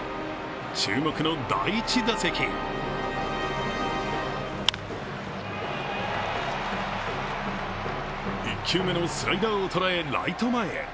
注目の第１打席１球目のスライダーを捉え、ライト前へ。